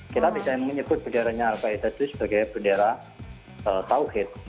kita bisa menyebut benderanya al qaeda itu sebagai bendera tauhid